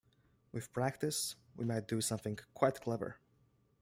With practice we might do something quite clever.